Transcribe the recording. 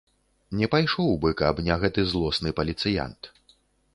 Не пайшоў бы, каб не гэты злосны паліцыянт.